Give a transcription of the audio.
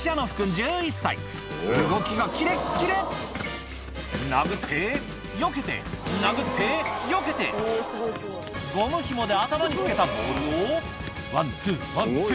１１歳動きがキレッキレ殴ってよけて殴ってよけてゴムひもで頭につけたボールをワンツーワンツー